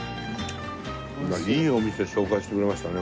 いいお店紹介してくれましたね